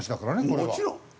もちろん。